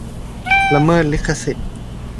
ละเมิดลิขสิทธิ์